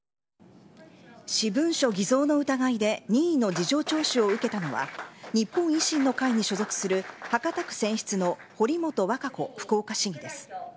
私文書偽造の疑いで任意の事情聴取を受けたのは日本維新の会に所属する博多区選出の堀本和歌子福岡市議です。